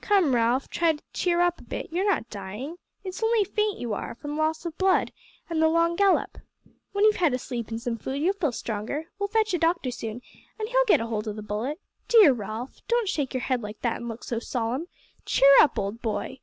Come, Ralph, try to cheer up a bit; you're not dying. It's only faint you are, from loss of blood and the long gallop. When you've had a sleep and some food, you'll feel stronger. We'll fetch a doctor soon, an' he'll get hold o' the bullet. Dear Ralph, don't shake your head like that an' look so solemn. Cheer up, old boy!"